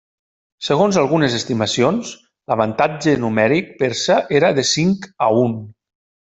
Segons algunes estimacions, l'avantatge numèric persa era de cinc a un.